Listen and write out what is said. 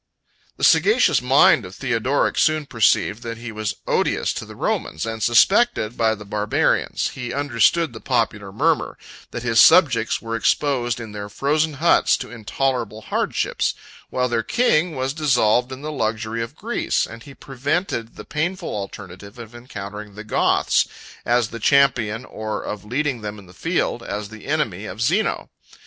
The sagacious mind of Theodoric soon perceived that he was odious to the Romans, and suspected by the Barbarians: he understood the popular murmur, that his subjects were exposed in their frozen huts to intolerable hardships, while their king was dissolved in the luxury of Greece, and he prevented the painful alternative of encountering the Goths, as the champion, or of leading them to the field, as the enemy, of Zeno.